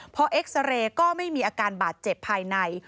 พอเอ็กซาเรย์ก็ไม่มีอาการบาดเจ็บภายใน